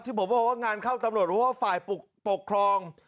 บอกว่างานเข้าตำรวจรู้ว่าฝ่ายปกครอง